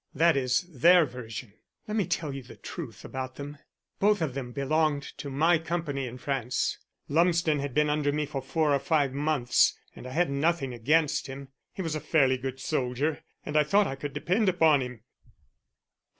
That is their version; let me tell you the truth about them. Both of them belonged to my company in France. Lumsden had been under me for four or five months and I had nothing against him. He was a fairly good soldier and I thought I could depend upon him.